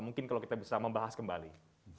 mungkin kalau kita bisa membahas kembali